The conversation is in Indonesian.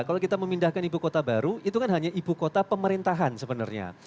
kalau kita memindahkan ibu kota baru itu kan hanya ibu kota pemerintahan sebenarnya